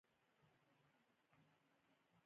موټر په یوه لوی میدان کې ودرېدل.